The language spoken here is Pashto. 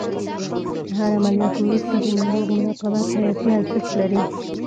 د هر عملیات وروسته د ناروغ مراقبت حیاتي ارزښت لري.